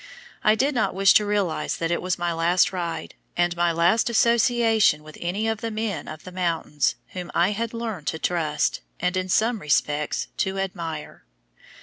I did not wish to realize that it was my last ride, and my last association with any of the men of the mountains whom I had learned to trust, and in some respects to admire.